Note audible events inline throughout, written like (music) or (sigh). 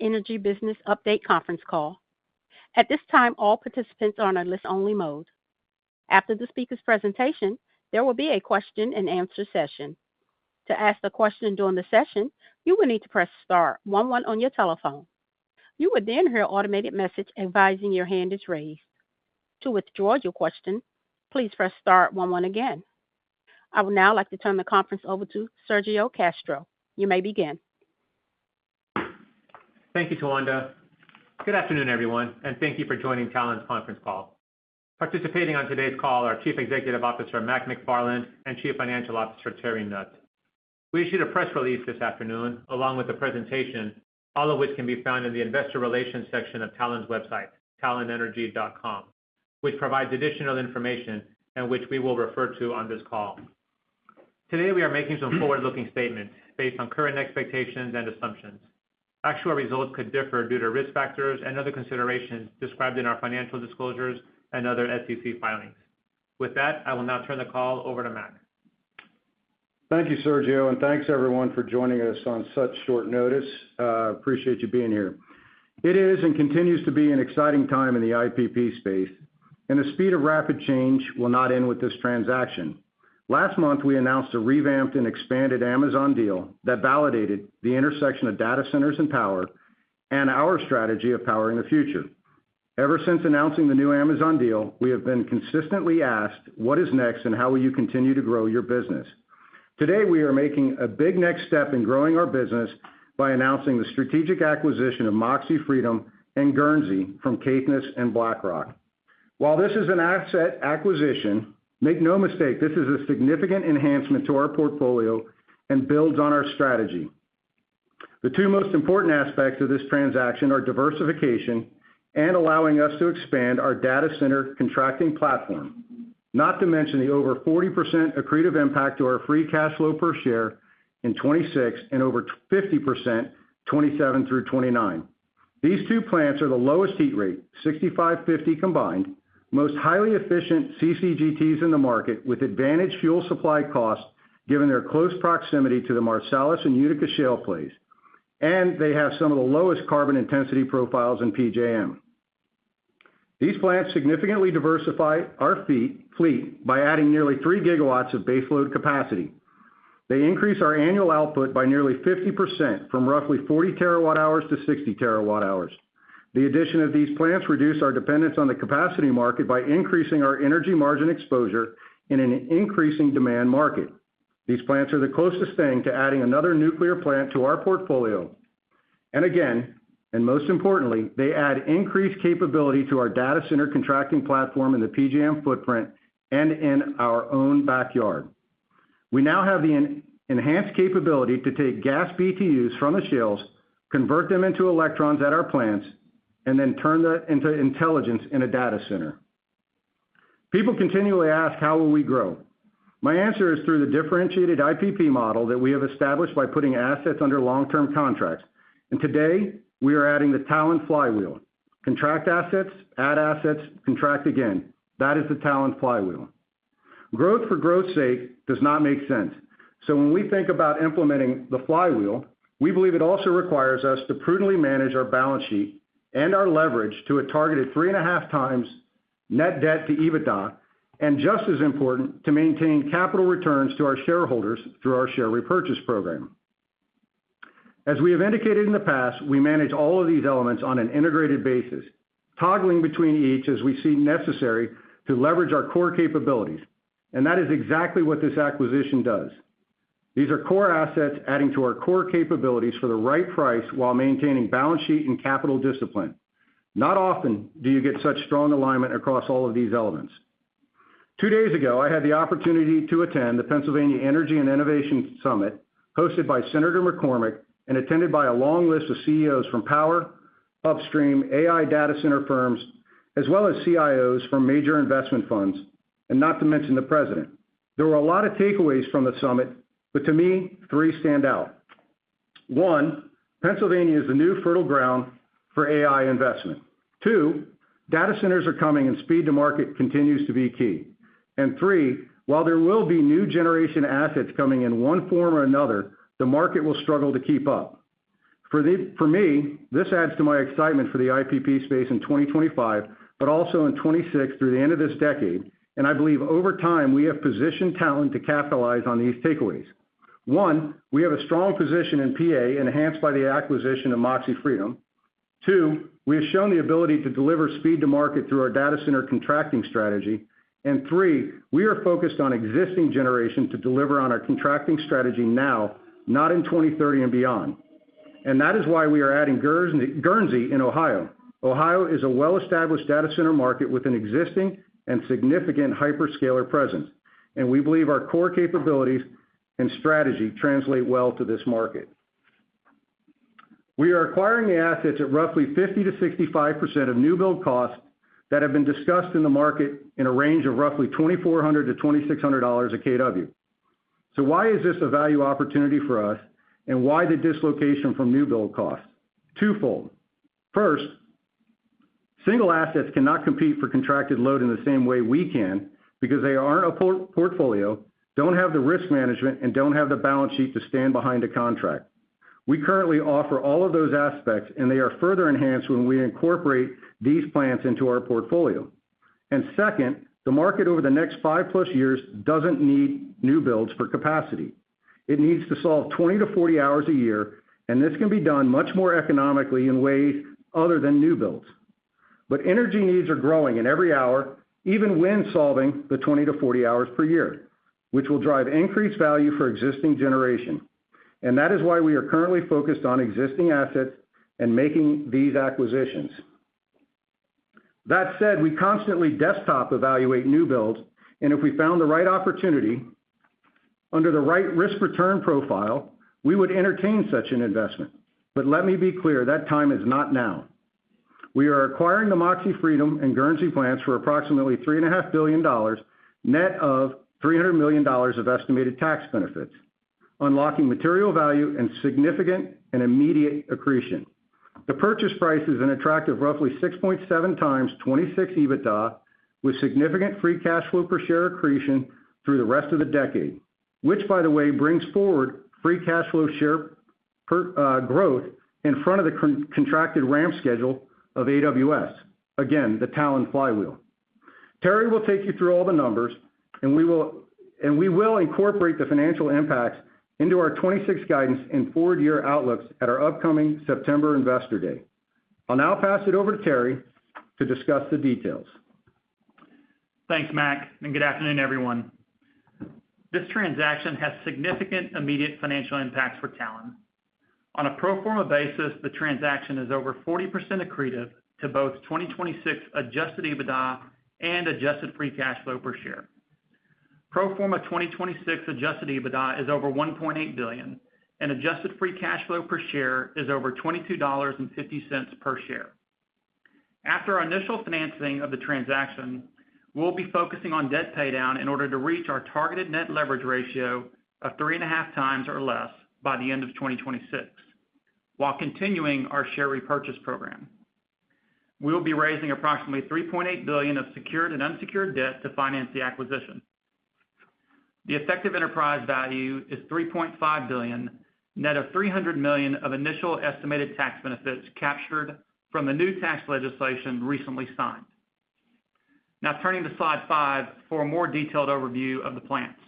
Energy Business Update Conference Call. At this time, all participants are on a listen-only mode. After the speakers' presentation, there will be a question-and-answer session. To ask a question during the session, you will need to press Star 1-1 on your telephone. You will then hear an automated message advising your hand is raised. To withdraw your question, please press Star 1-1 again. I would now like to turn the conference over to Sergio Castro. You may begin. Thank you, Tawanda. Good afternoon, everyone, and thank you for joining Talen's conference call. Participating on today's call are Chief Executive Officer Mac McFarland and Chief Financial Officer Terry Nutt. We issued a press release this afternoon along with a presentation, all of which can be found in the Investor Relations section of Talen's website, talenenergy.com, which provides additional information and which we will refer to on this call. Today, we are making some forward-looking statements based on current expectations and assumptions. Actual results could differ due to risk factors and other considerations described in our financial disclosures and other SEC filings. With that, I will now turn the call over to Mac. Thank you, Sergio, and thanks, everyone, for joining us on such short notice. I appreciate you being here. It is and continues to be an exciting time in the IPP space, and the speed of rapid change will not end with this transaction. Last month, we announced a revamped and expanded Amazon deal that validated the intersection of data centers and power and our strategy of power in the future. Ever since announcing the new Amazon deal, we have been consistently asked, "What is next, and how will you continue to grow your business?" Today, we are making a big next step in growing our business by announcing the strategic acquisition of Moxie Freedom and Guernsey from Caithness and BlackRock. While this is an asset acquisition, make no mistake, this is a significant enhancement to our portfolio and builds on our strategy. The two most important aspects of this transaction are diversification and allowing us to expand our data center contracting platform, not to mention the over 40% accretive impact to our free cash flow per share in 2026 and over 50% 2027 through 2029. These two plants are the lowest heat rate, 65/50 combined, most highly efficient CCGTs in the market with advantaged fuel supply costs given their close proximity to the Marcellus and Utica shale plays, and they have some of the lowest carbon intensity profiles in PJM. These plants significantly diversify our fleet by adding nearly 3 GW of base load capacity. They increase our annual output by nearly 50% from roughly 40 TWh to 60 TWh. The addition of these plants reduces our dependence on the capacity market by increasing our energy margin exposure in an increasing demand market. These plants are the closest thing to adding another nuclear plant to our portfolio, and again, and most importantly, they add increased capability to our data center contracting platform in the PJM footprint and in our own backyard. We now have the enhanced capability to take gas BTUs from the shales, convert them into electrons at our plants, and then turn that into intelligence in a data center. People continually ask, "How will we grow?" My answer is through the differentiated IPP model that we have established by putting assets under long-term contracts, and today, we are adding the Talen Flywheel. Contract assets, add assets, contract again. That is the Talen Flywheel. Growth for growth's sake does not make sense, so when we think about implementing the Flywheel, we believe it also requires us to prudently manage our balance sheet and our leverage to a targeted 3.5x net debt to EBITDA, and just as important, to maintain capital returns to our shareholders through our share repurchase program. As we have indicated in the past, we manage all of these elements on an integrated basis, toggling between each as we see necessary to leverage our core capabilities, and that is exactly what this acquisition does. These are core assets adding to our core capabilities for the right price while maintaining balance sheet and capital discipline. Not often do you get such strong alignment across all of these elements. Two days ago, I had the opportunity to attend the Pennsylvania Energy and Innovation Summit hosted by Senator McCormick and attended by a long list of CEOs from power, upstream AI data center firms, as well as CIOs from major investment funds, and not to mention the president. There were a lot of takeaways from the summit, but to me, three stand out. One, Pennsylvania is the new fertile ground for AI investment. Two, data centers are coming and speed to market continues to be key. And three, while there will be new generation assets coming in one form or another, the market will struggle to keep up. For me, this adds to my excitement for the IPP space in 2025, but also in 2026 through the end of this decade. And I believe over time, we have positioned Talen to capitalize on these takeaways. One, we have a strong position in PA enhanced by the acquisition of Moxie Freedom. Two, we have shown the ability to deliver speed to market through our data center contracting strategy. And three, we are focused on existing generation to deliver on our contracting strategy now, not in 2030 and beyond. And that is why we are adding Guernsey in Ohio. Ohio is a well-established data center market with an existing and significant hyperscaler presence. And we believe our core capabilities and strategy translate well to this market. We are acquiring the assets at roughly 50%-65% of new build costs that have been discussed in the market in a range of roughly $2,400-$2,600 a kW. So why is this a value opportunity for us, and why the dislocation from new build costs? Twofold. First. Single assets cannot compete for contracted load in the same way we can because they aren't a portfolio, don't have the risk management, and don't have the balance sheet to stand behind a contract. We currently offer all of those aspects, and they are further enhanced when we incorporate these plants into our portfolio. And second, the market over the next five-plus years doesn't need new builds for capacity. It needs to solve 20-40 hours a year, and this can be done much more economically in ways other than new builds. But energy needs are growing in every hour, even when solving the 20-40 hours per year, which will drive increased value for existing generation. And that is why we are currently focused on existing assets and making these acquisitions. That said, we constantly desktop evaluate new builds. And if we found the right opportunity under the right risk-return profile, we would entertain such an investment. But let me be clear, that time is not now. We are acquiring the Moxie Freedom and Guernsey plants for approximately $3.5 billion, net of $300 million of estimated tax benefits, unlocking material value and significant and immediate accretion. The purchase price is an attractive roughly 6.7x 2026 EBITDA with significant free cash flow per share accretion through the rest of the decade, which, by the way, brings forward free cash flow share. Growth in front of the contracted ramp schedule of AWS. Again, the Talen Flywheel. Terry will take you through all the numbers, and we will incorporate the financial impacts into our 2026 guidance and forward-year outlooks at our upcoming September Investor Day. I'll now pass it over to Terry to discuss the details. Thanks, Mac, and good afternoon, everyone. This transaction has significant immediate financial impacts for Talen. On a pro forma basis, the transaction is over 40% accretive to both 2026 adjusted EBITDA and adjusted free cash flow per share. Pro forma 2026 adjusted EBITDA is over $1.8 billion, and adjusted free cash flow per share is over $22.50 per share. After our initial financing of the transaction, we'll be focusing on debt paydown in order to reach our targeted net leverage ratio of 3.5x or less by the end of 2026, while continuing our share repurchase program. We'll be raising approximately $3.8 billion of secured and unsecured debt to finance the acquisition. The effective enterprise value is $3.5 billion, net of $300 million of initial estimated tax benefits captured from the new tax legislation recently signed. Now, turning to slide five for a more detailed overview of the plants.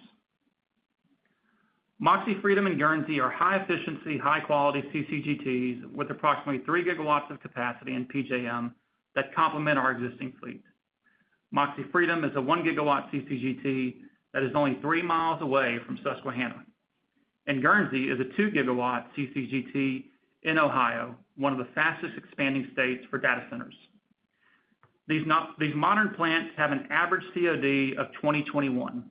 Moxie Freedom and Guernsey are high-efficiency, high-quality CCGTs with approximately 3 GW of capacity in PJM that complement our existing fleet. Moxie Freedom is a 1 GW CCGT that is only three miles away from Susquehanna. And Guernsey is a 2 GW CCGT in Ohio, one of the fastest expanding states for data centers. These modern plants have an average COD of 2021.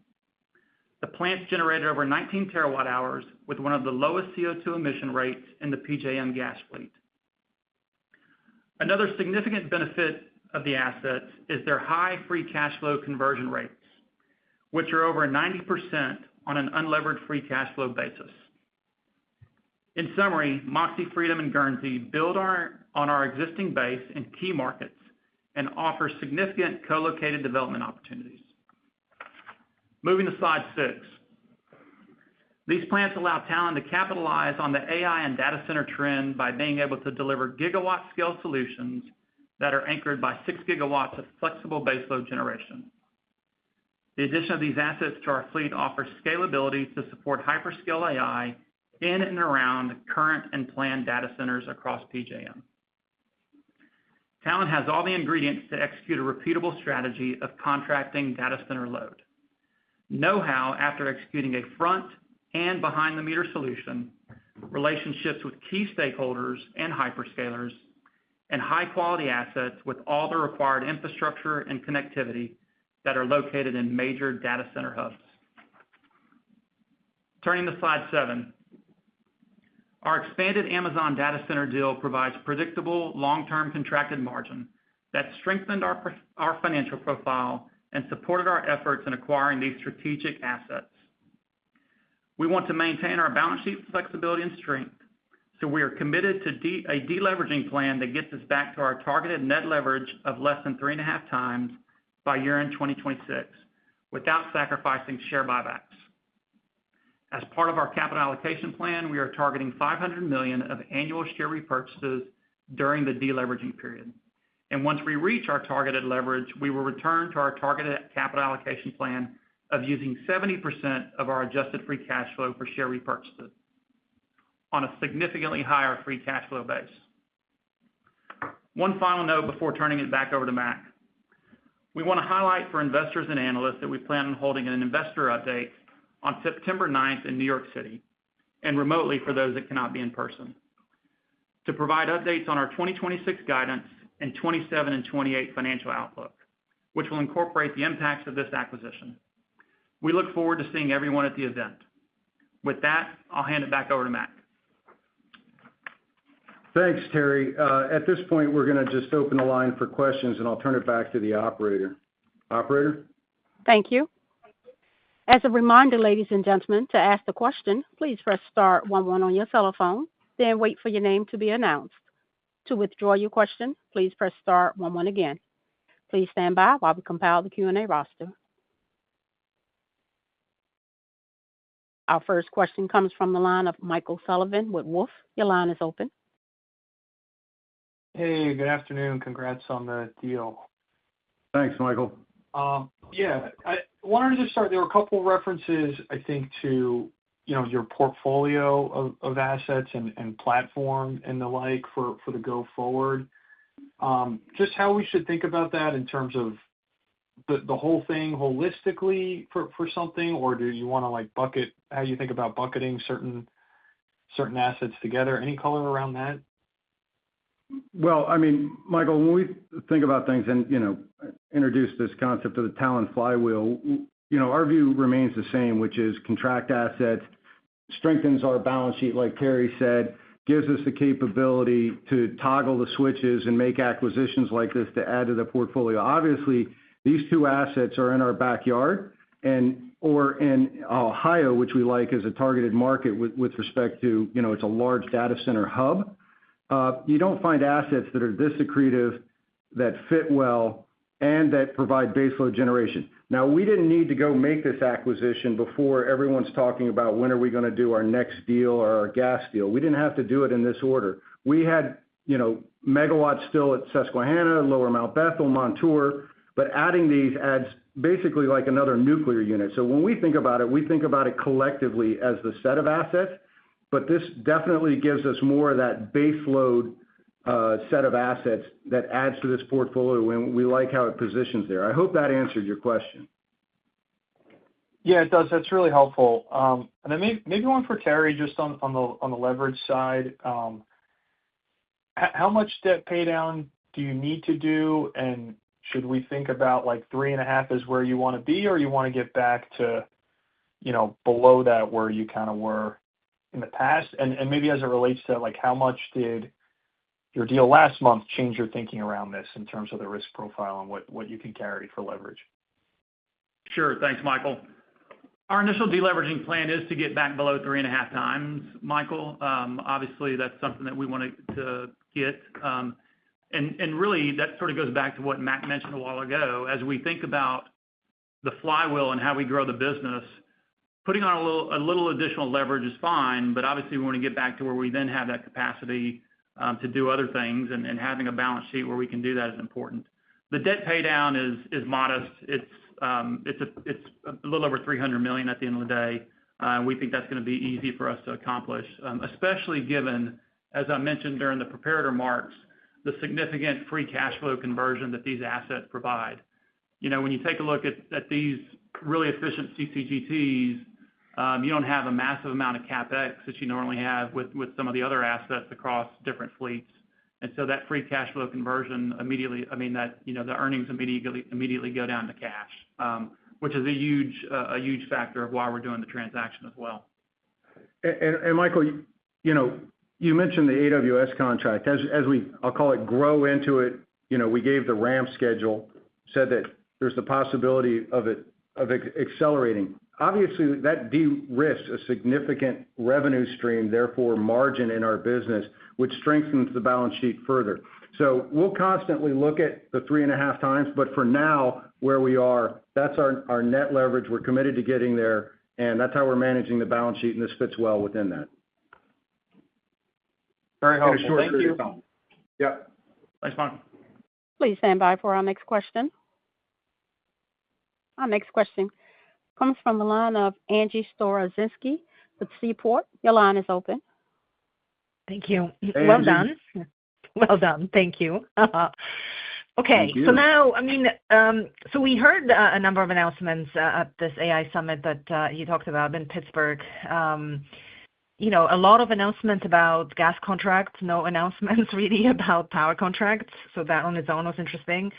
The plants generated over 19 TWh with one of the lowest CO2 emission rates in the PJM gas fleet. Another significant benefit of the assets is their high free cash flow conversion rates, which are over 90% on an unleveraged free cash flow basis. In summary, Moxie Freedom and Guernsey build on our existing base in key markets and offer significant co-located development opportunities. Moving to slide six. These plants allow Talen to capitalize on the AI and data center trend by being able to deliver gigawatt-scale solutions that are anchored by 6 GW of flexible base load generation. The addition of these assets to our fleet offers scalability to support hyperscale AI in and around current and planned data centers across PJM. Talen has all the ingredients to execute a repeatable strategy of contracting data center load. Know-how after executing a front and behind-the-meter solution, relationships with key stakeholders and hyperscalers, and high-quality assets with all the required infrastructure and connectivity that are located in major data center hubs. Turning to slide seven. Our expanded Amazon data center deal provides predictable long-term contracted margin that strengthened our financial profile and supported our efforts in acquiring these strategic assets. We want to maintain our balance sheet flexibility and strength, so we are committed to a deleveraging plan that gets us back to our targeted net leverage of less than 3.5x by year-end 2026 without sacrificing share buybacks. As part of our capital allocation plan, we are targeting $500 million of annual share repurchases during the deleveraging period. Once we reach our targeted leverage, we will return to our targeted capital allocation plan of using 70% of our adjusted free cash flow for share repurchases. On a significantly higher free cash flow base. One final note before turning it back over to Mac. We want to highlight for investors and analysts that we plan on holding an investor update on September 9th in New York City and remotely for those that cannot be in person. To provide updates on our 2026 guidance and 2027 and 2028 financial outlook, which will incorporate the impacts of this acquisition. We look forward to seeing everyone at the event. With that, I'll hand it back over to Mac. Thanks, Terry. At this point, we're going to just open the line for questions, and I'll turn it back to the operator. Operator? Thank you. As a reminder, ladies and gentlemen, to ask the question, please press Star 11 on your cell phone, then wait for your name to be announced. To withdraw your question, please press Star 11 again. Please stand by while we compile the Q&A roster. Our first question comes from the line of Michael Sullivan with Wolfe. Your line is open. Hey, good afternoon. Congrats on the deal. Thanks, Michael. Yeah. I wanted to just start. There were a couple of references, I think, to your portfolio of assets and platform and the like for the go-forward. Just how we should think about that in terms of the whole thing holistically for something, or do you want to bucket how you think about bucketing certain assets together? Any color around that? I mean, Michael, when we think about things and introduced this concept of the Talen Flywheel, our view remains the same, which is contract assets strengthens our balance sheet, like Terry said, gives us the capability to toggle the switches and make acquisitions like this to add to the portfolio. Obviously, these two assets are in our backyard and/or in Ohio, which we like as a targeted market with respect to it's a large data center hub. You don't find assets that are this accretive, that fit well, and that provide base load generation. Now, we didn't need to go make this acquisition before everyone's talking about when are we going to do our next deal or our gas deal. We didn't have to do it in this order. We had megawatts still at Susquehanna, Lower Mount Bethel, Montour, but adding these adds basically like another nuclear unit. So when we think about it, we think about it collectively as the set of assets, but this definitely gives us more of that base load set of assets that adds to this portfolio, and we like how it positions there. I hope that answered your question. Yeah, it does. That's really helpful. And then maybe one for Terry, just on the leverage side. How much debt paydown do you need to do? And should we think about like 3.5x is where you want to be, or you want to get back to? Below that where you kind of were in the past? And maybe as it relates to how much did your deal last month change your thinking around this in terms of the risk profile and what you can carry for leverage? Sure. Thanks, Michael. Our initial deleveraging plan is to get back below 3.5x, Michael. Obviously, that's something that we want to get. And really, that sort of goes back to what Mac mentioned a while ago. As we think about the flywheel and how we grow the business. Putting on a little additional leverage is fine, but obviously, we want to get back to where we then have that capacity to do other things. And having a balance sheet where we can do that is important. The debt paydown is modest. It's a little over $300 million at the end of the day. And we think that's going to be easy for us to accomplish, especially given, as I mentioned during the prepared remarks, the significant free cash flow conversion that these assets provide. When you take a look at these really efficient CCGTs, you don't have a massive amount of CapEx that you normally have with some of the other assets across different fleets. And so that free cash flow conversion, immediately, I mean, the earnings immediately go down to cash, which is a huge factor of why we're doing the transaction as well. And, Michael. You mentioned the AWS contract. As we, I'll call it, grow into it, we gave the ramp schedule, said that there's the possibility of it accelerating. Obviously, that de-risked a significant revenue stream, therefore margin in our business, which strengthens the balance sheet further. So we'll constantly look at the 3.5x, but for now, where we are, that's our net leverage. We're committed to getting there, and that's how we're managing the balance sheet, and this fits well within that. Very helpful. Thank you. Thank you. Yep. Thanks, Mac. Please stand by for our next question. Our next question comes from the line of Angie Storozynski with Seaport. Your line is open. Thank you. Well done. Thank you. Okay. So now, I mean, so we heard a number of announcements at this AI summit that you talked about in Pittsburgh. A lot of announcements about gas contracts, no announcements really about power contracts. So that on its own was interesting,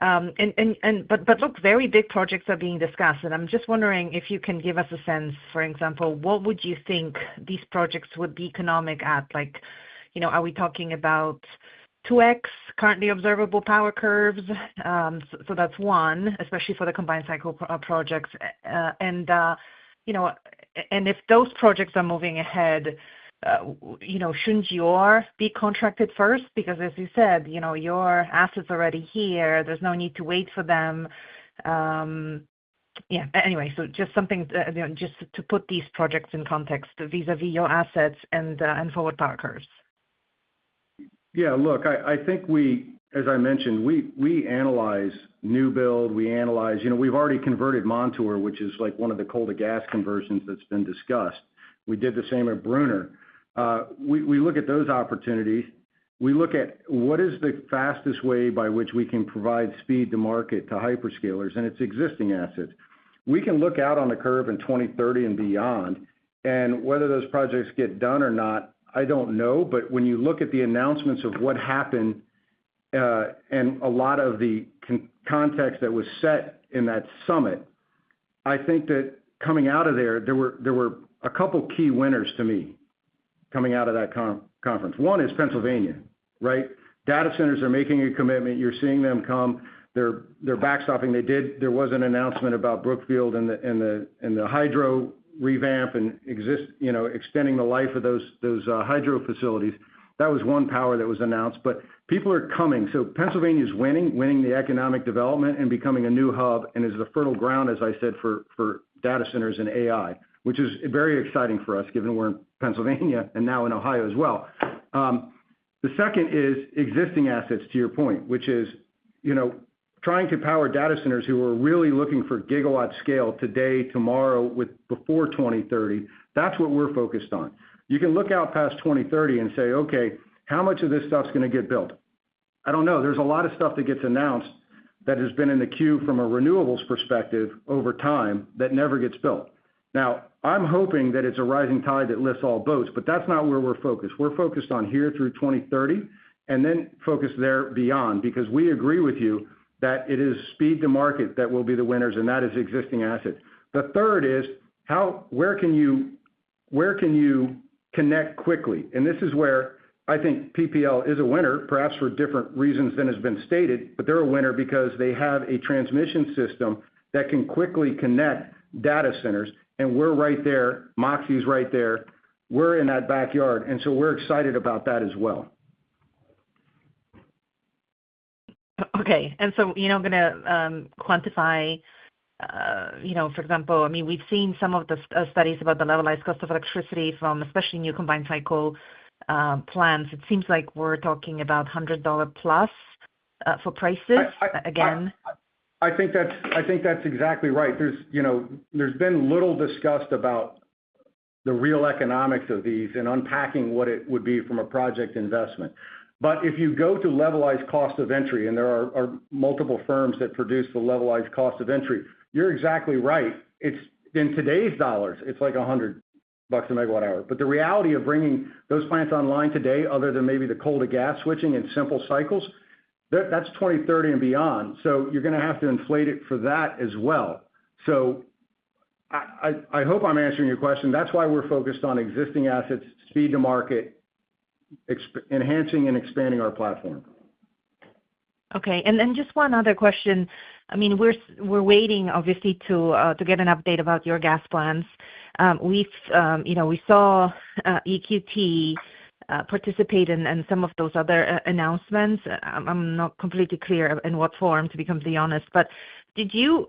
but look, very big projects are being discussed. And I'm just wondering if you can give us a sense, for example, what would you think these projects would be economic at? Are we talking about 2x currently observable power curves? So that's one, especially for the combined cycle projects and if those projects are moving ahead. Shouldn't yours be contracted first? Because, as you said, your assets are already here. There's no need to wait for them. Yeah. Anyway, so just something just to put these projects in context vis-à-vis your assets and forward power curves. Yeah. Look, I think we, as I mentioned, we analyze new build. We've already converted Montour, which is one of the coal-to-gas conversions that's been discussed. We did the same at Brunner. We look at those opportunities. We look at what is the fastest way by which we can provide speed to market to hyperscalers and its existing assets. We can look out on the curve in 2030 and beyond, and whether those projects get done or not, I don't know. But when you look at the announcements of what happened and a lot of the context that was set in that summit, I think that coming out of there, there were a couple of key winners to me coming out of that conference. One is Pennsylvania, right? Data centers are making a commitment. You're seeing them come. They're backstopping. There was an announcement about Brookfield and the hydro revamp and extending the life of those hydro facilities. That was one power that was announced. But people are coming. So Pennsylvania is winning the economic development and becoming a new hub and is the fertile ground, as I said, for data centers and AI, which is very exciting for us given we're in Pennsylvania and now in Ohio as well. The second is existing assets, to your point, which is trying to power data centers who are really looking for gigawatt scale today, tomorrow, before 2030. That's what we're focused on. You can look out past 2030 and say, "Okay, how much of this stuff's going to get built?" I don't know. There's a lot of stuff that gets announced that has been in the queue from a renewables perspective over time that never gets built. Now, I'm hoping that it's a rising tide that lifts all boats, but that's not where we're focused. We're focused on here through 2030 and then focus there beyond because we agree with you that it is speed to market that will be the winners, and that is existing assets. The third is where can you connect quickly? And this is where I think PPL is a winner, perhaps for different reasons than has been stated, but they're a winner because they have a transmission system that can quickly connect data centers. And we're right there. Moxie's right there. We're in that backyard. And so we're excited about that as well. Okay. And so I'm going to quantify. For example, I mean, we've seen some of the studies about the levelized cost of electricity from especially new combined cycle plants. It seems like we're talking about $100 plus for prices, again. I think that's exactly right. There's been little discussed about the real economics of these and unpacking what it would be from a project investment. But if you go to levelized cost of entry, and there are multiple firms that produce the levelized cost of entry, you're exactly right. In today's dollars, it's like $100 MWh. But the reality of bringing those plants online today, other than maybe the coal-to-gas switching and simple cycles, that's 2030 and beyond. So you're going to have to inflate it for that as well. So. I hope I'm answering your question. That's why we're focused on existing assets, speed to market, enhancing, and expanding our platform. Okay. And then just one other question. I mean, we're waiting, obviously, to get an update about your gas plans. We saw EQT participate in some of those other announcements. I'm not completely clear in what form, to be completely honest. But did you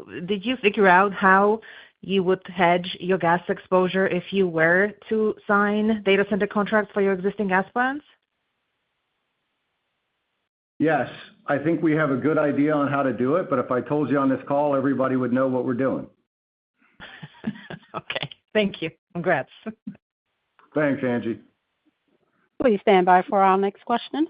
figure out how you would hedge your gas exposure if you were to sign data center contracts for your existing gas plants? Yes. I think we have a good idea on how to do it, but if I told you on this call, everybody would know what we're doing. Okay. Thank you. Congrats. Thanks, Angie. Please stand by for our next question.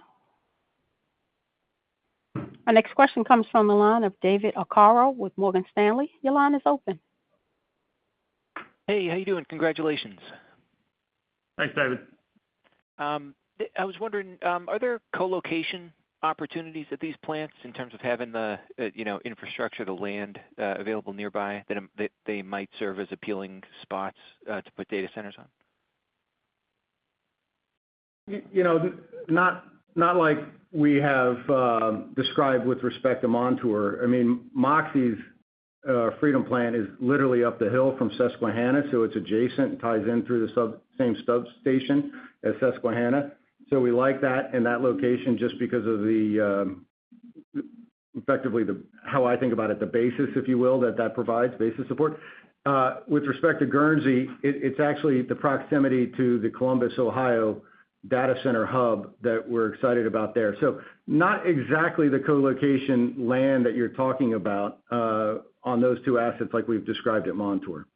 Our next question comes from the line of David Arcaro with Morgan Stanley. Your line is open. Hey, how you doing? Congratulations. Thanks, David. I was wondering, are there colocation opportunities at these plants in terms of having the infrastructure, the land available nearby that they might serve as appealing spots to put data centers on? Not like we have described with respect to Montour. I mean, Moxie Freedom Plant is literally up the hill from Susquehanna, so it's adjacent and ties in through the same substation at Susquehanna. So we like that in that location just because of the effectively how I think about it, the basis, if you will, that that provides basis support. With respect to Guernsey, it's actually the proximity to the Columbus, Ohio data center hub that we're excited about there. So not exactly the colocation land that you're talking about, on those two assets like we've described at Montour.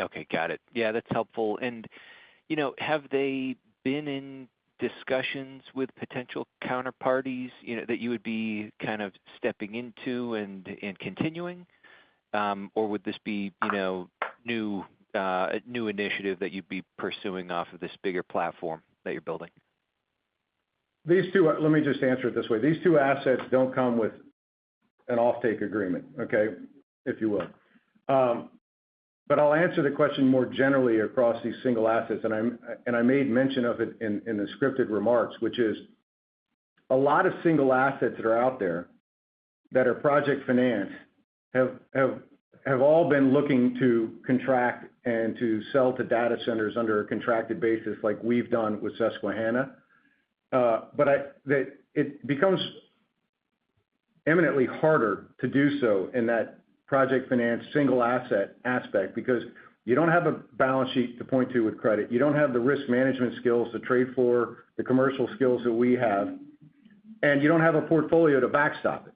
Okay. Got it. Yeah, that's helpful. And have they been in discussions with potential counterparties that you would be kind of stepping into and continuing? Or would this be new initiative that you'd be pursuing off of this bigger platform that you're building? Let me just answer it this way. These two assets don't come with an offtake agreement, okay, if you will, but I'll answer the question more generally across these single assets, and I made mention of it in the scripted remarks, which is a lot of single assets that are out there that are project finance have all been looking to contract and to sell to data centers under a contracted basis like we've done with Susquehanna, but it becomes eminently harder to do so in that project finance single asset aspect because you don't have a balance sheet to point to with credit. You don't have the risk management skills to trade for, the commercial skills that we have, and you don't have a portfolio to backstop it.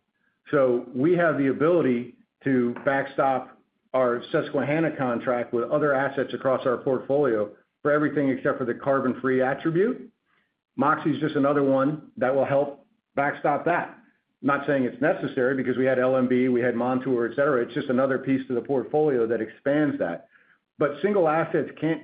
So we have the ability to backstop our Susquehanna contract with other assets across our portfolio for everything except for the carbon-free attribute. Moxie's just another one that will help backstop that. Not saying it's necessary because we had LMB, we had Montour, etc. It's just another piece to the portfolio that expands that, but single assets can't,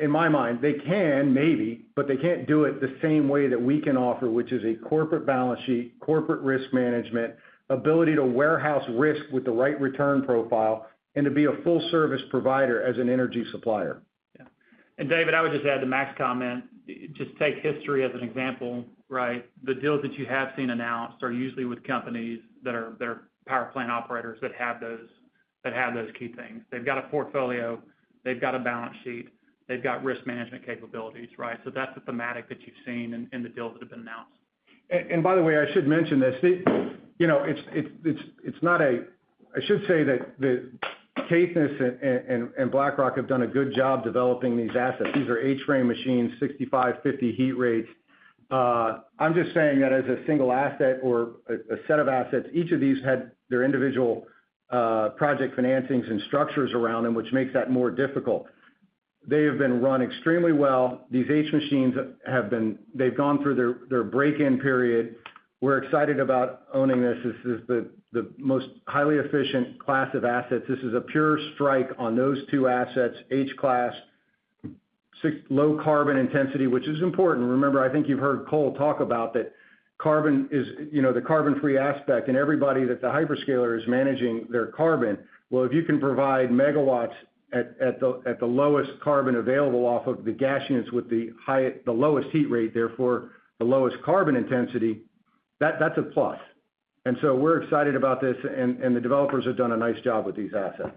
in my mind, they can maybe, but they can't do it the same way that we can offer, which is a corporate balance sheet, corporate risk management, ability to warehouse risk with the right return profile, and to be a full-service provider as an energy supplier. Yeah. And, David, I would just add to Mac's comment, just take history as an example, right? The deals that you have seen announced are usually with companies that are power plant operators that have those key things. They've got a portfolio. They've got a balance sheet. They've got risk management capabilities, right? So that's the thematic that you've seen in the deals that have been announced. And by the way, I should mention this. It's not a—I should say that. Caithness and BlackRock have done a good job developing these assets. These are H-class machines, 65-50 heat rates. I'm just saying that as a single asset or a set of assets, each of these had their individual project financings and structures around them, which makes that more difficult. They have been run extremely well. These H-class machines have been—they've gone through their break-in period. We're excited about owning this. This is the most highly efficient class of assets. This is a pure strike on those two assets, H-class. Low carbon intensity, which is important. Remember, I think you've heard Cole talk about that carbon is the carbon-free aspect, and everybody that the hyperscaler is managing their carbon. Well, if you can provide megawatts at the lowest carbon available off of the gas units with the lowest heat rate, therefore the lowest carbon intensity, that's a plus. And so we're excited about this, and the developers have done a nice job with these assets.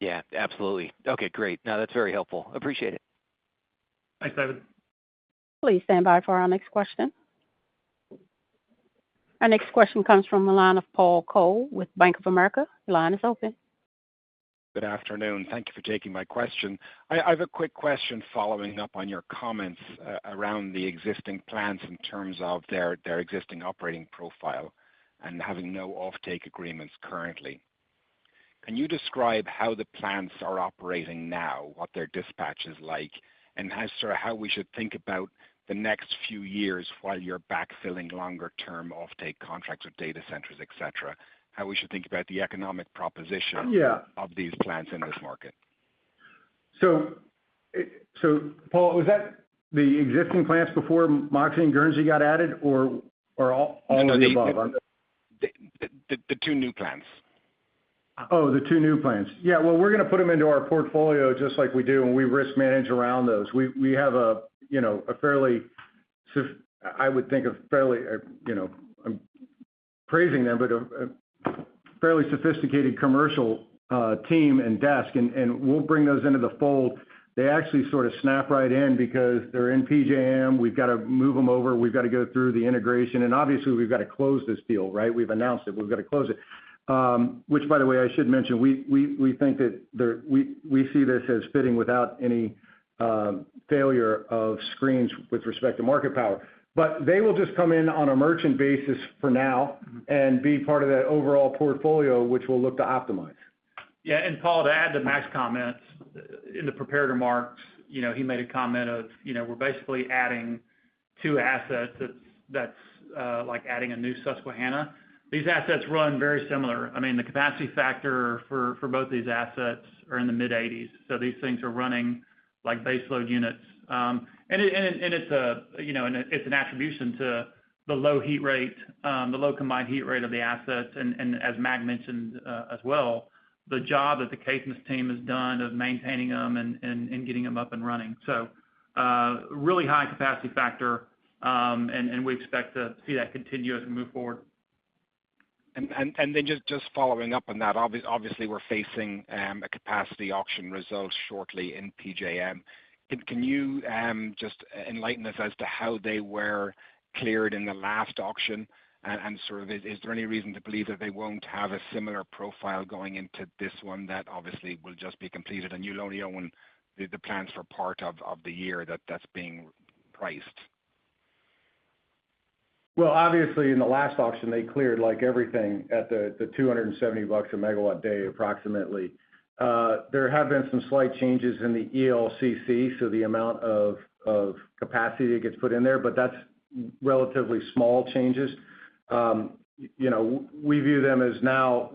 Yeah. Absolutely. Okay. Great. No, that's very helpful. Appreciate it. Thanks, David. Please stand by for our next question. Our next question comes from the line of Paul Cole with Bank of America. Your line is open. Good afternoon. Thank you for taking my question. I have a quick question following up on your comments around the existing plants in terms of their existing operating profile and having no offtake agreements currently. Can you describe how the plants are operating now, what their dispatch is like, and sort of how we should think about the next few years while you're backfilling longer-term offtake contracts with data centers, et cetera? How we should think about the economic proposition of these plants in this market? So, Paul, was that the existing plants before Moxie and Guernsey got added, or all of the above? The two new plants. Oh, the two new plants. Yeah, well, we're going to put them into our portfolio just like we do, and we risk manage around those. We have a fairly sophisticated commercial team and desk. I would think of fairly, I'm praising them, but a fairly sophisticated commercial team and desk, and we'll bring those into the fold. They actually sort of snap right in because they're in PJM. We've got to move them over. We've got to go through the integration, and obviously, we've got to close this deal, right? We've announced it. We've got to close it, which, by the way, I should mention, we think that we see this as fitting without any failure of screens with respect to market power, but they will just come in on a merchant basis for now and be part of that overall portfolio, which we'll look to optimize. Yeah. And Paul, to add to Mac's comments, in the preparatory remarks, he made a comment of, "We're basically adding two assets. That's like adding a new Susquehanna." These assets run very similar. I mean, the capacity factor for both these assets are in the mid-80s. So these things are running like baseload units. And it's attributable to the low heat rate, the low combined heat rate of the assets. And as Mac mentioned as well, the job that the Caithness team has done of maintaining them and getting them up and running. So. Really high capacity factor. And we expect to see that continuously move forward. And then just following up on that, obviously, we're facing a capacity auction result shortly in PJM. Can you just enlighten us as to how they were cleared in the last auction? And sort of is there any reason to believe that they won't have a similar profile going into this one that obviously will just be completed and you'll only own the plants for part of the year that that's being priced? Obviously, in the last auction, they cleared like everything at the $270 MW day approximately. There have been some slight changes in the ELCC, so the amount of capacity that gets put in there, but that's relatively small changes. We view them as now.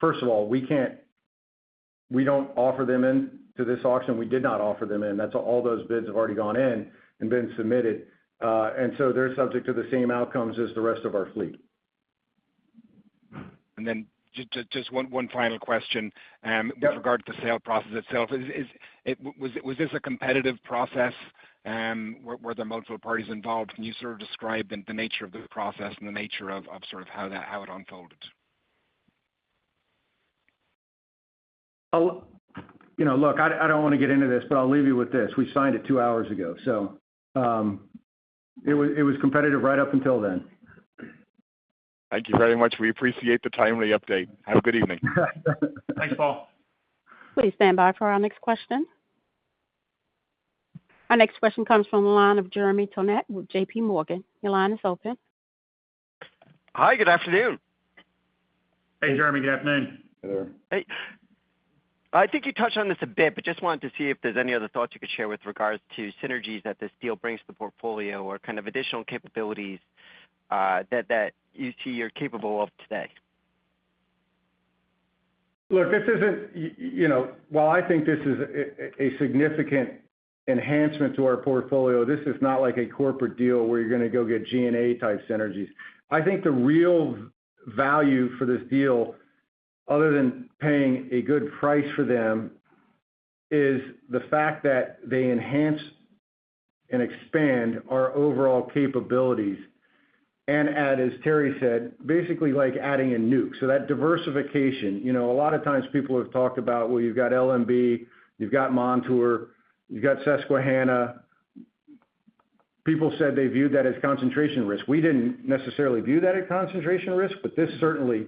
First of all, we don't offer them in to this auction. We did not offer them in. All those bids have already gone in and been submitted. And so they're subject to the same outcomes as the rest of our fleet. And then just one final question with regard to the sale process itself. Was this a competitive process? Were there multiple parties involved? Can you sort of describe the nature of the process and the nature of sort of how it unfolded? Look, I don't want to get into this, but I'll leave you with this. We signed it two hours ago, so. It was competitive right up until then. Thank you very much. We appreciate the timely update. Have a good evening. Thanks, Paul. Please stand by for our next question. Our next question comes from the line of Jeremy Tonet with J.P. Morgan. Your line is open. Hi. Good afternoon. Hey, Jeremy. Good afternoon. Hey there. Hey. I think you touched on this a bit, but just wanted to see if there's any other thoughts you could share with regards to synergies that this deal brings to the portfolio or kind of additional capabilities that you see you're capable of today? Look, this isn't, while I think this is a significant enhancement to our portfolio, this is not like a corporate deal where you're going to go get G&A-type synergies. I think the real value for this deal, other than paying a good price for them, is the fact that they enhance and expand our overall capabilities. And as Terry said, basically like adding a nuke. So that diversification, a lot of times people have talked about, "Well, you've got LMB, you've got Montour, you've got Susquehanna." People said they viewed that as concentration risk. We didn't necessarily view that as concentration risk, but this certainly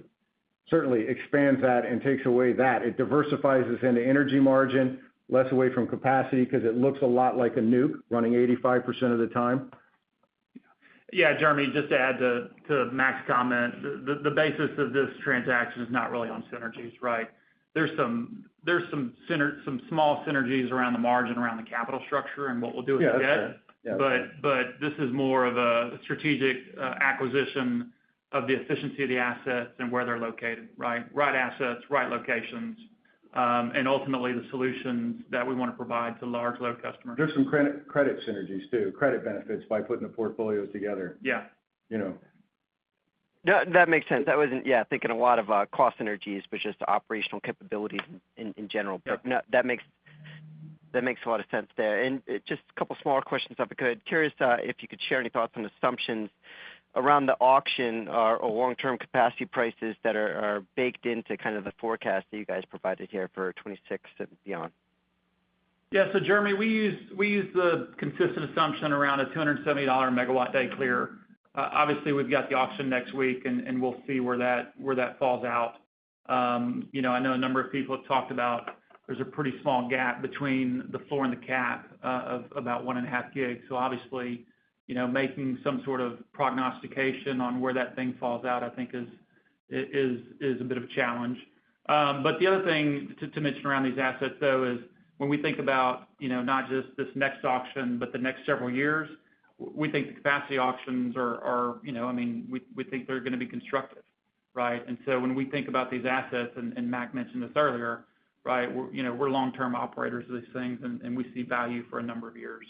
expands that and takes away that. It diversifies us into energy margin, less away from capacity because it looks a lot like a nuke running 85% of the time. Yeah. Jeremy, just to add to Mac's comment, the basis of this transaction is not really on synergies, right? There's some small synergies around the margin, around the capital structure and what we'll do with the debt. But this is more of a strategic acquisition of the efficiency of the assets and where they're located, right? Right assets, right locations, and ultimately the solutions that we want to provide to large load customers. There's some credit synergies too, credit benefits by putting the portfolios together. Yeah. That makes sense. I wasn't, yeah, thinking a lot of cost synergies, but just operational capabilities in general. But that makes a lot of sense there. And just a couple of smaller questions if I could. Curious if you could share any thoughts and assumptions around the auction or long-term capacity prices that are baked into kind of the forecast that you guys provided here for 2026 and beyond. Yeah. So Jeremy, we use the consistent assumption around a $270 MW day clear. Obviously, we've got the auction next week, and we'll see where that falls out. I know a number of people have talked about there's a pretty small gap between the floor and the cap of about one and a half gigs. So obviously, making some sort of prognostication on where that thing falls out, I think, is a bit of a challenge. But the other thing to mention around these assets, though, is when we think about not just this next auction, but the next several years, we think the capacity auctions are, I mean, we think they're going to be constructive, right? And so when we think about these assets, and Mac mentioned this earlier, right, we're long-term operators of these things, and we see value for a number of years.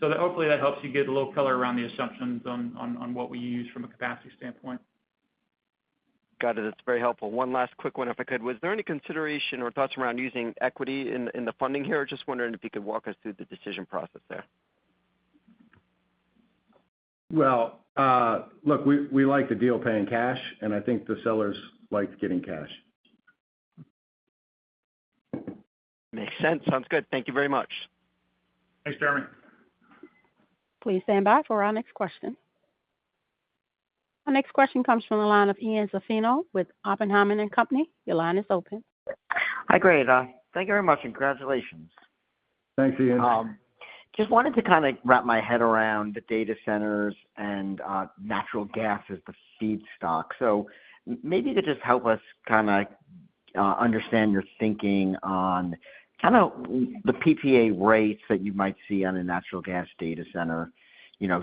So hopefully, that helps you get a little color around the assumptions on what we use from a capacity standpoint. Got it. That's very helpful. One last quick one, if I could. Was there any consideration or thoughts around using equity in the funding here? Just wondering if you could walk us through the decision process there. Look, we like the deal paying cash, and I think the sellers liked getting cash. Makes sense. Sounds good. Thank you very much. Thanks, Jeremy. Please stand by for our next question. Our next question comes from the line of Ian Zaffino with Oppenheimer & Co. Your line is open. Hi, Greta. Thank you very much. Congratulations. Thanks, Ian. Just wanted to kind of wrap my head around the data centers and natural gas as the seed stock. So maybe to just help us kind of understand your thinking on kind of the PPA rates that you might see on a natural gas data center,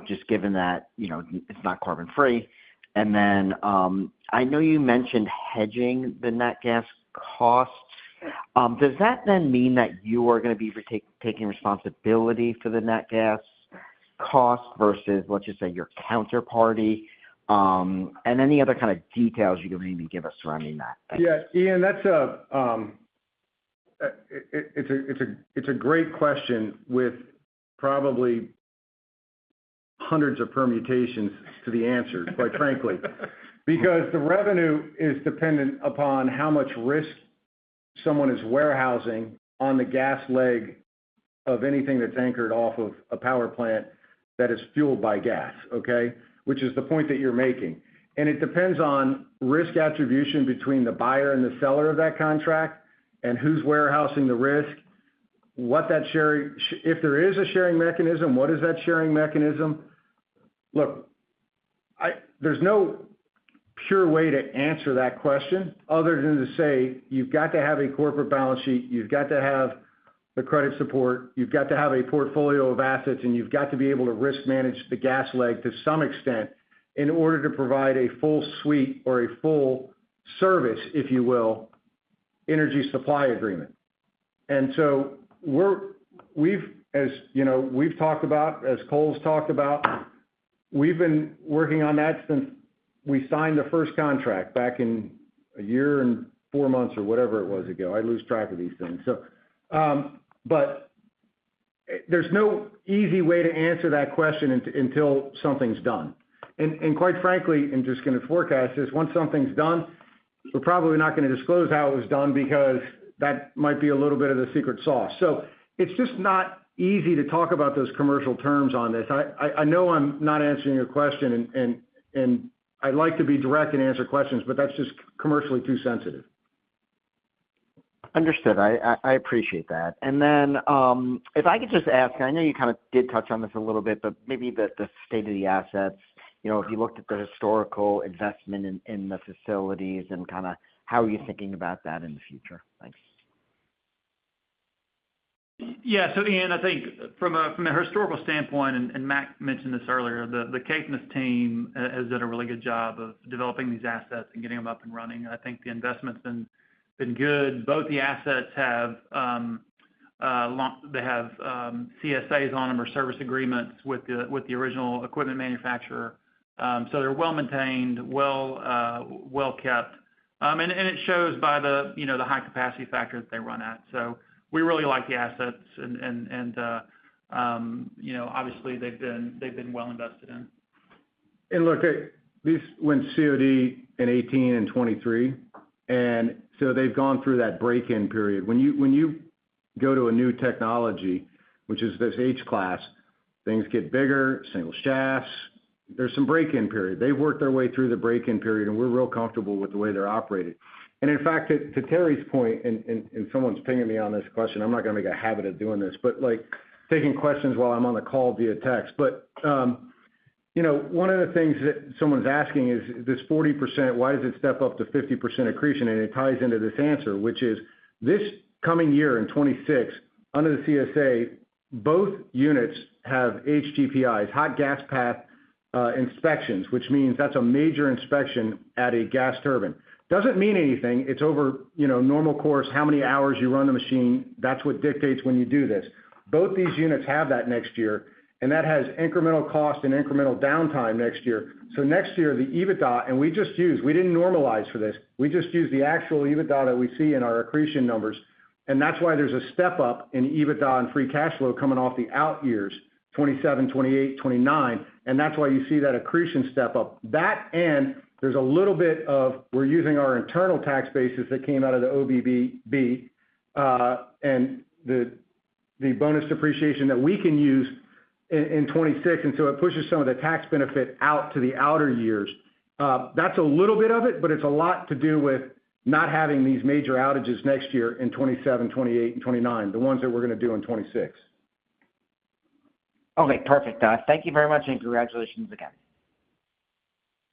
just given that it's not carbon-free. And then I know you mentioned hedging the net gas costs. Does that then mean that you are going to be taking responsibility for the net gas cost versus, let's just say, your counterparty? And any other kind of details you can maybe give us surrounding that? Yeah. Ian, that's a - It's a great question with probably hundreds of permutations to the answer, quite frankly, because the revenue is dependent upon how much risk someone is warehousing on the gas leg of anything that's anchored off of a power plant that is fueled by gas, okay? Which is the point that you're making. And it depends on risk attribution between the buyer and the seller of that contract and who's warehousing the risk. If there is a sharing mechanism, what is that sharing mechanism? Look. There's no pure way to answer that question other than to say you've got to have a corporate balance sheet, you've got to have the credit support, you've got to have a portfolio of assets, and you've got to be able to risk manage the gas leg to some extent in order to provide a full suite or a full service, if you will, energy supply agreement. And so. We've talked about, as Cole's talked about. We've been working on that since we signed the first contract back in a year and four months or whatever it was ago. I lose track of these things. But. There's no easy way to answer that question until something's done. And quite frankly, I'm just going to forecast this. Once something's done, we're probably not going to disclose how it was done because that might be a little bit of the secret sauce. So it's just not easy to talk about those commercial terms on this. I know I'm not answering your question, and I'd like to be direct and answer questions, but that's just commercially too sensitive. Understood. I appreciate that, and then if I could just ask, I know you kind of did touch on this a little bit, but maybe the state of the assets, if you looked at the historical investment in the facilities and kind of how are you thinking about that in the future? Thanks. Yeah. So Ian, I think from a historical standpoint, and Mac mentioned this earlier, the Caithness team has done a really good job of developing these assets and getting them up and running. I think the investment's been good. Both the assets have CSAs on them or service agreements with the original equipment manufacturer. So they're well maintained, well kept. And it shows by the high capacity factor that they run at. So we really like the assets. And obviously, they've been well invested in. And look, at least when COD in 2018 and 2023. And so they've gone through that break-in period. When you go to a new technology, which is this H-class, things get bigger, single shafts, there's some break-in period. They've worked their way through the break-in period, and we're real comfortable with the way they're operated. And in fact, to Terry's point, and someone's pinging me on this question, I'm not going to make a habit of doing this, but taking questions while I'm on the call via text. But. One of the things that someone's asking is this 40%, why does it step up to 50% accretion? And it ties into this answer, which is this coming year in 2026, under the CSA, both units have HGPIs, hot gas path inspections, which means that's a major inspection at a gas turbine. Doesn't mean anything. It's over normal course, how many hours you run the machine. That's what dictates when you do this. Both these units have that next year, and that has incremental cost and incremental downtime next year. So next year, the EBITDA, and we just used, we didn't normalize for this. We just used the actual EBITDA that we see in our accretion numbers. And that's why there's a step up in EBITDA and free cash flow coming off the out years, 2027, 2028, 2029. And that's why you see that accretion step up. That and there's a little bit of we're using our internal tax basis that came out of the OBBB. And the bonus depreciation that we can use. In 2026. And so it pushes some of the tax benefit out to the outer years. That's a little bit of it, but it's a lot to do with not having these major outages next year in 2027, 2028, and 2029, the ones that we're going to do in 2026. Okay. Perfect. Thank you very much and congratulations again.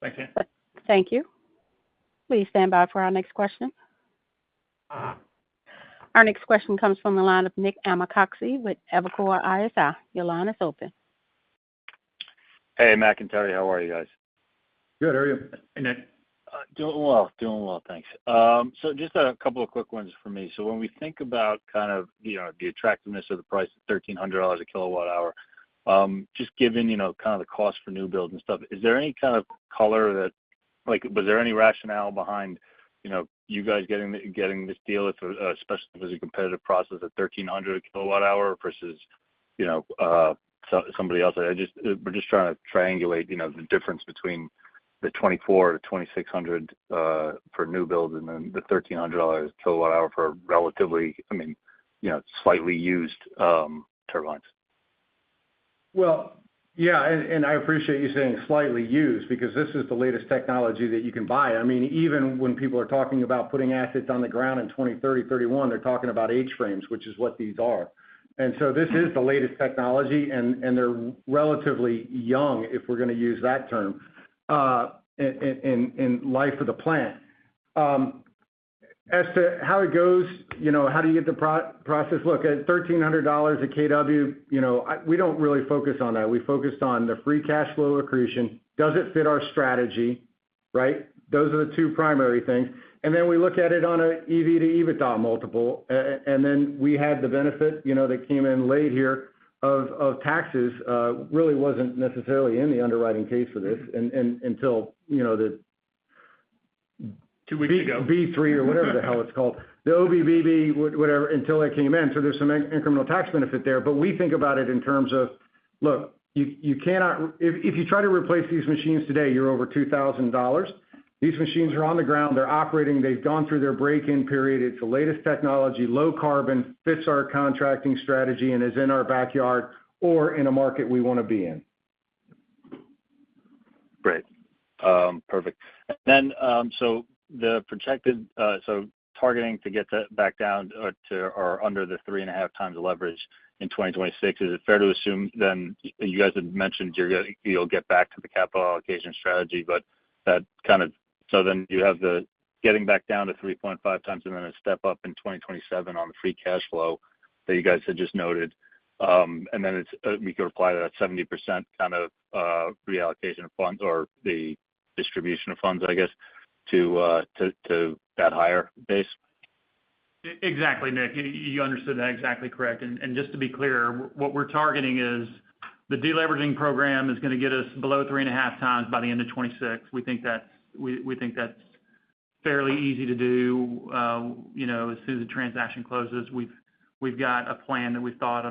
Thanks, Ian. Thank you. Please stand by for our next question. Our next question comes from the line of Nick Amicucci with Evercore ISI. Your line is open. Hey, Mac and Terry, how are you guys? Good. How are you? Hey, Nick. Doing well. Doing well. Thanks. So just a couple of quick ones for me. So when we think about kind of the attractiveness of the price of $1,300 kWh, just given kind of the cost for new builds and stuff, is there any kind of color that was there any rationale behind you guys getting this deal, especially if it was a competitive process at $1,300 kWh versus somebody else? We're just trying to triangulate the difference between the $2,400-$2,600 for new builds and then the $1,300 kWh for relatively, I mean, slightly used turbines. Well, yeah. And I appreciate you saying slightly used because this is the latest technology that you can buy. I mean, even when people are talking about putting assets on the ground in 2030, 2031, they're talking about H-class, which is what these are. And so this is the latest technology, and they're relatively young, if we're going to use that term. In life of the plant. As to how it goes, how do you get the process? Look, at $1,300 kW, we don't really focus on that. We focused on the free cash flow accretion. Does it fit our strategy? Right? Those are the two primary things. And then we look at it on an EV to EBITDA multiple. And then we had the benefit that came in late here of taxes. Really wasn't necessarily in the underwriting case for this until. (crosstalk) Two weeks ago. B3 or whatever the hell it's called. The OBBB, whatever, until it came in. So there's some incremental tax benefit there. But we think about it in terms of, look, if you try to replace these machines today, you're over $2,000. These machines are on the ground. They're operating. They've gone through their break-in period. It's the latest technology, low carbon, fits our contracting strategy, and is in our backyard or in a market we want to be in. Great. Perfect. And then so the projected, so targeting to get that back down to or under the 3.5x leverage in 2026, is it fair to assume then you guys had mentioned you'll get back to the capital allocation strategy, but that kind of so then you have the getting back down to 3.5x and then a step up in 2027 on the free cash flow that you guys had just noted. And then we could apply that 70% kind of reallocation of funds or the distribution of funds, I guess, to that higher base? Exactly, Nick. You understood that exactly correct. And just to be clear, what we're targeting is the deleveraging program is going to get us below 3.5x by the end of 2026. We think that's fairly easy to do. As soon as the transaction closes, we've got a plan that we've thought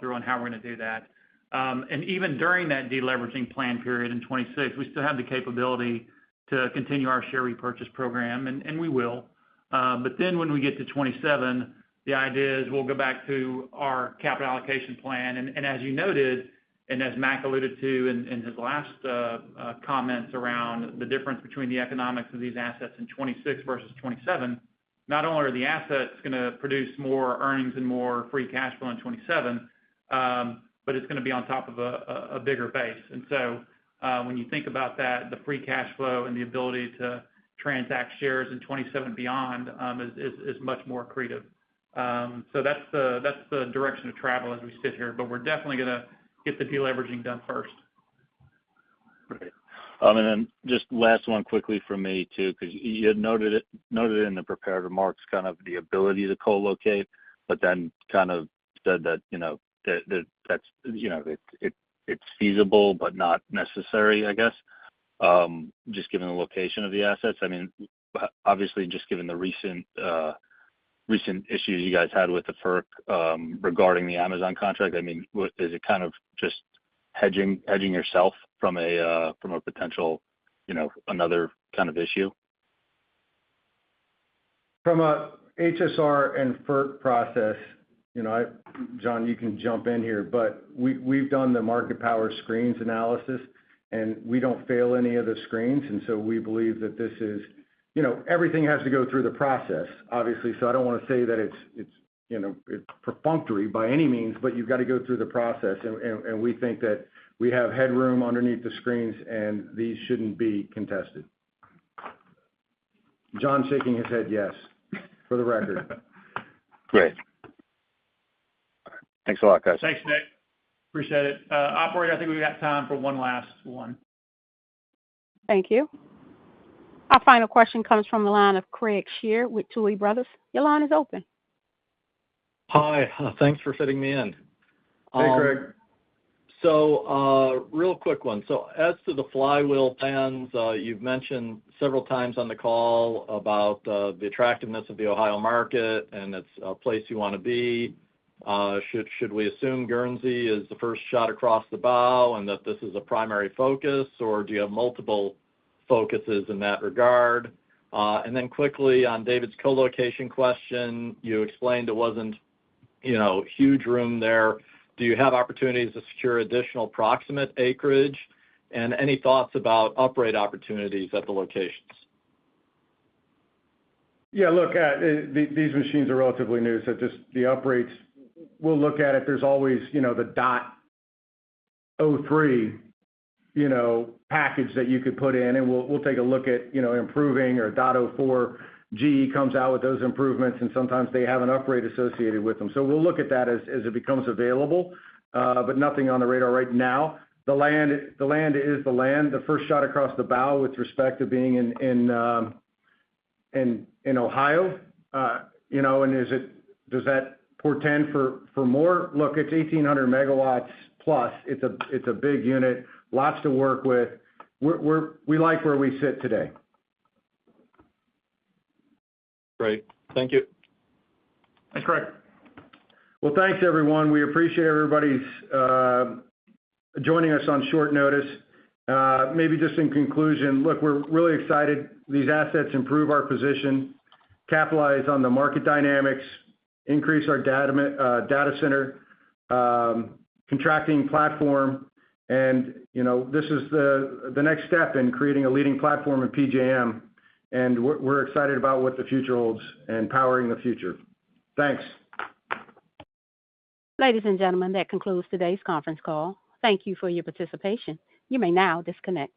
through on how we're going to do that. And even during that deleveraging plan period in 2026, we still have the capability to continue our share repurchase program, and we will. But then when we get to 2027, the idea is we'll go back to our capital allocation plan. And as you noted, and as Mac alluded to in his last comments around the difference between the economics of these assets in 2026 versus 2027, not only are the assets going to produce more earnings and more free cash flow in 2027. But it's going to be on top of a bigger base. And so when you think about that, the free cash flow and the ability to transact shares in 2027 beyond is much more accretive. So that's the direction of travel as we sit here. But we're definitely going to get the deleveraging done first. Just last one quickly for me too, because you had noted it in the prepared remarks, kind of the ability to co-locate, but then kind of said that. It's feasible, but not necessary, I guess. Just given the location of the assets. I mean, obviously, just given the recent issues you guys had with the FERC regarding the Amazon contract, I mean, is it kind of just hedging yourself from a potential another kind of issue? From an HSR and FERC process. John, you can jump in here, but we've done the market power screens analysis, and we don't fail any of the screens, and so we believe that this is everything has to go through the process, obviously, so I don't want to say that it's perfunctory by any means, but you've got to go through the process, and we think that we have headroom underneath the screens, and these shouldn't be contested. John's shaking his head, yes, for the record. Great. Thanks a lot, guys. Thanks, Nick. Appreciate it. Operator, I think we've got time for one last one. Thank you. Our final question comes from the line of Craig Shere with Tuohy Brothers. Your line is open. Hi. Thanks for fitting me in. Hey, Craig. Real quick one. So as to the flywheel plans, you've mentioned several times on the call about the attractiveness of the Ohio market and it's a place you want to be. Should we assume Guernsey is the first shot across the bow and that this is a primary focus, or do you have multiple focuses in that regard? And then quickly on David's co-location question, you explained it wasn't. Huge room there. Do you have opportunities to secure additional proximate acreage? And any thoughts about upright opportunities at the locations? Yeah. Look, these machines are relatively new, so just the uprates, we'll look at it. There's always the .03 package that you could put in, and we'll take a look at improving or .04 GE comes out with those improvements, and sometimes they have an upgrade associated with them. So we'll look at that as it becomes available. But nothing on the radar right now. The land is the land. The first shot across the bow with respect to being in Ohio. And does that portend for more? Look, it's 1,800 MW+. It's a big unit, lots to work with. We like where we sit today. Great. Thank you. Thanks, Craig. Well, thanks, everyone. We appreciate everybody's joining us on short notice. Maybe just in conclusion, look, we're really excited. These assets improve our position, capitalize on the market dynamics, increase our data center contracting platform, and this is the next step in creating a leading platform in PJM, and we're excited about what the future holds and powering the future. Thanks. Ladies and gentlemen, that concludes today's conference call. Thank you for your participation. You may now disconnect.